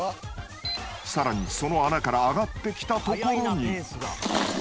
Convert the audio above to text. ［さらにその穴から上がってきたところに］